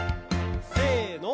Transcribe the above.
せの。